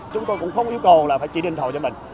chúng tôi cũng không yêu cầu là phải chỉ đền thầu cho mình